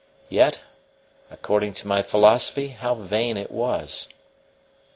Yet, according to my philosophy, how vain it was!